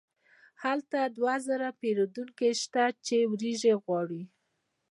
هلته دوه زره پیرودونکي شته چې وریجې غواړي.